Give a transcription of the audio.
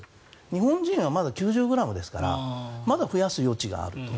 日本人はまだ９０ｇですからまだ増やす余地があると。